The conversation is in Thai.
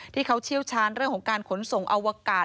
ที่เขาเชี่ยวชั้นเรื่องของการขนส่งอวกาศ